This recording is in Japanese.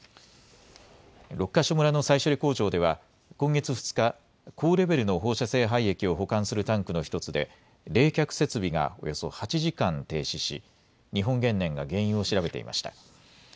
六ヶ所村の再処理工場では今月２日、高レベルの放射性廃液を保管するタンクの１つで冷却設備がおよそ８時間、停止し日本原燃が原因を調べていました。